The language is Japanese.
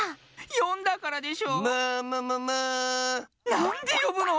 なんでよぶの！